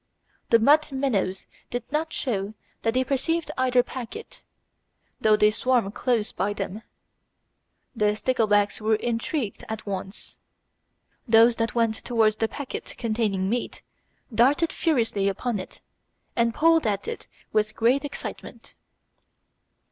The mud minnows did not show that they perceived either packet, though they swam close by them; the sticklebacks were intrigued at once. Those that went towards the packet containing meat darted furiously upon it and pulled at it with great excitement.